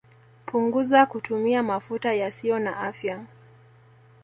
Punguzaa kutumia mafuta yasiyo na afya